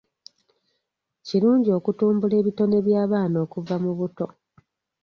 Kirungi okutumbula ebitone by'abaana okuva mu buto.